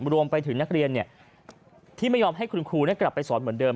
รวมไปถึงนักเรียนที่ไม่ยอมให้คุณครูกลับไปสอนเหมือนเดิม